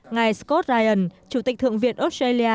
ngài scott ryan chủ tịch thượng viện australia